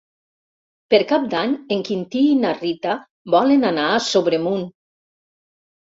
Per Cap d'Any en Quintí i na Rita volen anar a Sobremunt.